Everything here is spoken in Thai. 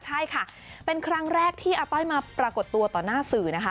ใช่ค่ะเป็นครั้งแรกที่อาต้อยมาปรากฏตัวต่อหน้าสื่อนะคะ